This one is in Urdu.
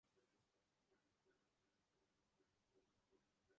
ہانگ کانگ نے بھارت کے خلاف تاریخ رقم کردی